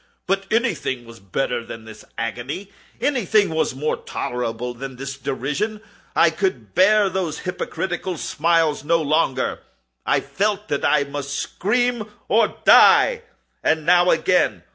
But anything was better than this agony! Anything was more tolerable than this derision! I could bear those hypocritical smiles no longer! I felt that I must scream or die! and now—again!